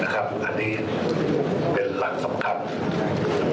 อันนี้เป็นหลักสำคัญ